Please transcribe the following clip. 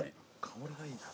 香りがいいな。